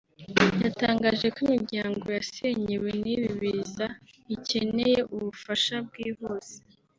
yatangaje ko imiryango yasenyewe n’ibi biza ikeneye ubufasha bwihuse